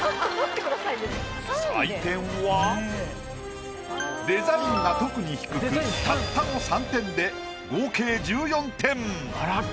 採点はデザインが特に低くたったの３点で合計１４点。